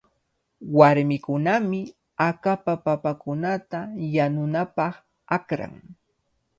Warmikunami akapa papakunata yanunapaq akran.